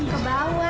ke bawah jangan putar